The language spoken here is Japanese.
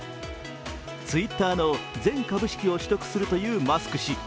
ツイッターの全株式を取得するというマスク氏。